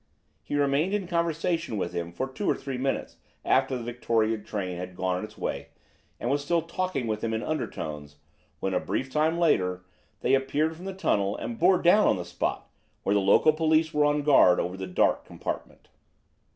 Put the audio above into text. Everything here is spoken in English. He remained in conversation with him for two or three minutes after the Victoria train had gone on its way, and was still talking with him in undertones when, a brief time later, they appeared from the tunnel and bore down on the spot where the local police were on guard over the dark compartment.